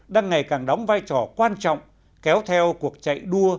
đang ngày càng đóng vai trò quan trọng kéo theo cuộc chạy đua